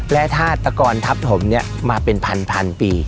และท่าตะกรทับถมเนี้ยมาเป็นพันพันปี